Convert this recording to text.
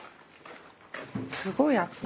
すごい熱さ。